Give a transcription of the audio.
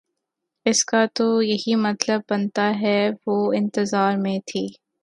اس کا تو یہی مطلب بنتا ہے وہ انتظار میں تھی